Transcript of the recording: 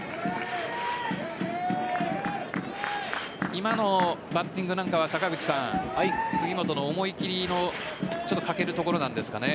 今のバッティングなんかは杉本の思い切りの欠けるところなんですかね。